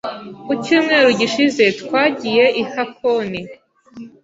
Ku cyumweru gishize, twagiye i Hakone.